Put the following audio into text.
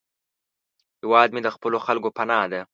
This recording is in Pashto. هیواد مې د خپلو خلکو پناه ده